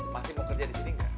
masih mau kerja di sini nggak